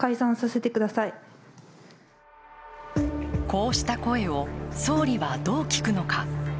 こうした声を総理はどう聞くのか。